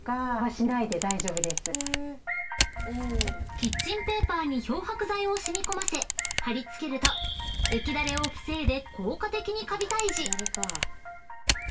［キッチンペーパーに漂白剤を染み込ませ張り付けると液垂れを防いで］